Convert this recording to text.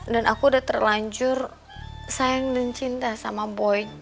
dan aku udah terlanjur sayang dan cinta sama boy